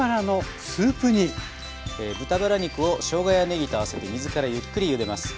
豚バラ肉をしょうがやねぎと合わせて水からゆっくりゆでます。